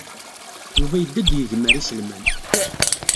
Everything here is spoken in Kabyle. Yuba yedda ad yegmer iselman.